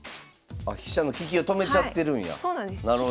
あ飛車の利きを止めちゃってるんや。